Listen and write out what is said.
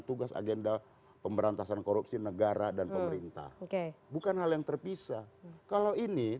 tugas agenda pemberantasan korupsi negara dan pemerintah oke bukan hal yang terpisah kalau ini